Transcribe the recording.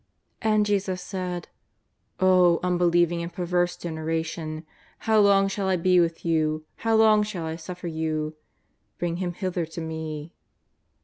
'' And Jesus said :*' O unbelieving and perverse gen eration, how long shall I be with you, how long shall 1 suffer you ? Bring him hither to Me."